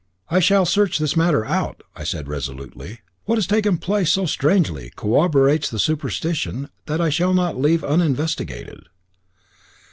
"I shall search this matter out," said I resolutely. "What has taken place so strangely corroborates the superstition, that I shall not leave it uninvestigated."